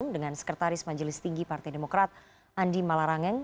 dengan sekretaris majelis tinggi partai demokrat andi malarangeng